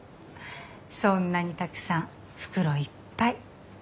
そんなにたくさん袋いっぱい。